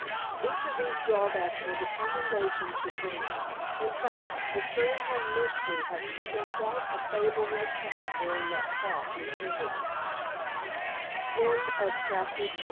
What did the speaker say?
Each of these drawbacks was a commendation to Furneaux. In fact, the Steynholme mystery had taken quite a favorable turn during that talk with Ingerman. Chapter XI. P. C.